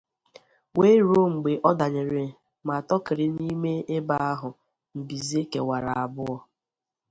wee ruo mgbe ọ danyere ma tọkịrị n'ime ebe ahụ mbize kewara abụọ.